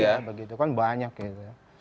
ya begitu kan banyak gitu ya